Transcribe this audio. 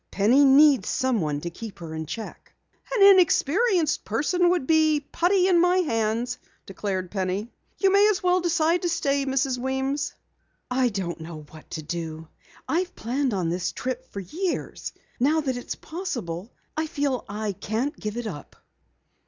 Penny needs someone to keep her in check." "An inexperienced person would be putty in my hands," declared Penny. "You may as well decide to stay, Mrs. Weems." "I don't know what to do. I've planned on this trip for years. Now that it is possible, I feel I can't give it up."